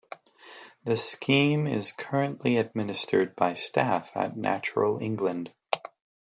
The scheme is currently administered by staff at Natural England.